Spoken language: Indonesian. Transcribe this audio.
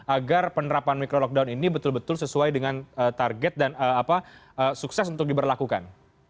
agar penerapan micro lockdown ini betul betul sesuai dengan target dan sukses untuk diberlakukan